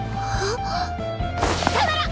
さよなら！